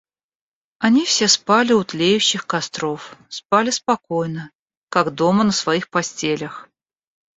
«Они все спали у тлеющих костров, спали спокойно, как дома на своих постелях.